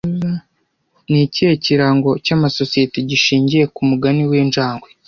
Ni ikihe kirango cy'amasosiyete gishingiye ku mugani w'injangwe